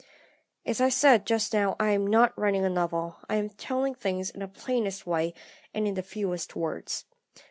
"As I said just now, I am not writing a novel; I am telling things in the plainest way, and in the fewest words.